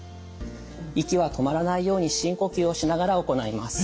息は止まらないように深呼吸をしながら行います。